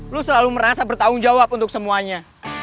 lu selalu merasa bertanggung jawab untuk semuanya